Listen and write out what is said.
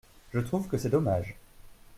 Je trouve que c’est dommage.